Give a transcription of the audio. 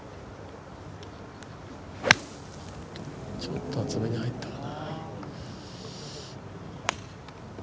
ちょっと厚めに入ったかな。